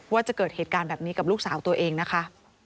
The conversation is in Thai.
ว่าจะเกิดเหตุการณ์แบบนี้กับลูกสาวตัวเองนะคะ